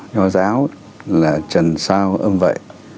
nhò giáo là trần sao âm vậy